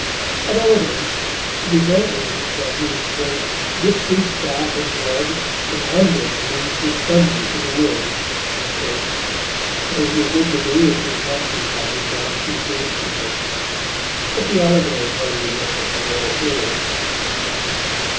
At all events, the result is that he "dips his staff in blood, and onwards leads his thunder to the wood," where he is ignominiously captured by his Majesty's gamekeeper. But the allegory hardly runs upon all fours.